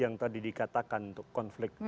yang dikatakan konflik